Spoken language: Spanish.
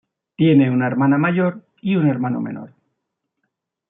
Tiene una hermana mayor y un hermano menor.